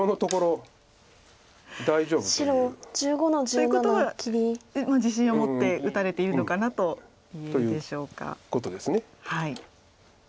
ということは自信を持って打たれているのかなと。ということです。